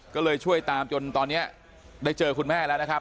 ก็เลยช่วยตามจนตอนนี้ได้เจอคุณแม่แล้วนะครับ